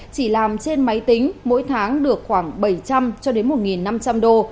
chỉ làm trên máy tính mỗi tháng được khoảng bảy trăm linh một năm trăm linh đô